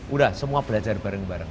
udah semua belajar bareng bareng